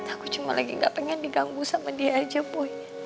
aku cuma lagi gak pengen diganggu sama dia aja bu